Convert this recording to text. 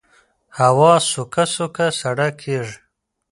هوا سوکه سوکه سړه کېږي